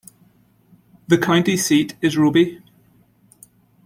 The county seat is Roby.